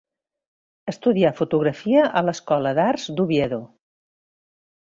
Estudià fotografia a l'Escola d'Arts d'Oviedo.